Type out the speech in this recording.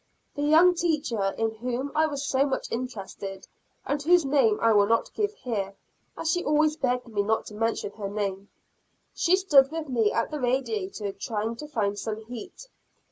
The young teacher in whom I was so much interested, and whose name I will not give here, as she always begged me not to mention her name she stood with me at the radiator trying to find some heat.